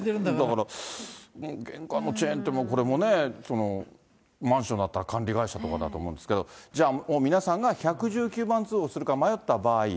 だから玄関のチェーンって、これもね、マンションだったら管理会社とかだと思うんですけど、じゃあもう皆さんが１１９番通報するか迷った場合。